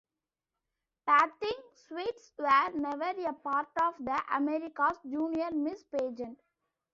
Bathing suits were never a part of the America's Junior Miss Pageant.